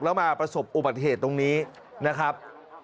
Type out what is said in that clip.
แล้วมาประสบอุบัติเหตุตรงนี้นะครับ